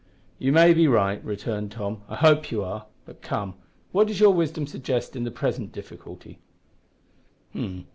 "You may be right," returned Tom, "I hope you are. But, come, what does your wisdom suggest in the present difficulty?"